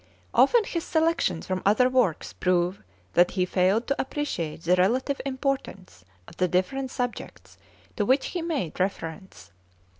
Often his selections from other works prove that he failed to appreciate the relative importance of the different subjects to which he made reference.